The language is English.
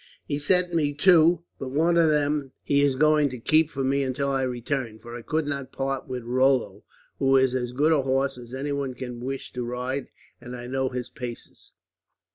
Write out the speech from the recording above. "He sent me two, but one of them he is going to keep for me until I return; for I could not part with Rollo, who is as good a horse as anyone can wish to ride; and I know his paces."